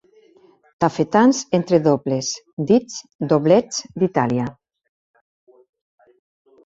Tafetans entredobles, dits "doblets d'Itàlia".